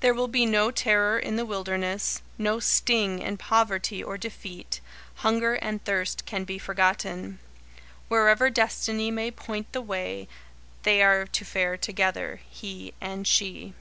There will be no terror in the wilderness, no sting in poverty or defeat hunger and thirst can be forgotten. Wherever Destiny may point the way, they are to fare together he and she.